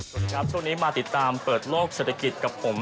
สวัสดีครับช่วงนี้มาติดตามเปิดโลกเศรษฐกิจกับผม